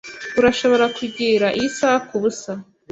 Urashobora kugira iyi saha kubusa.